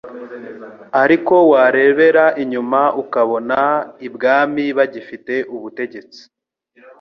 ariko warebera inyuma ukabona ibwami bagifite ubutegetsi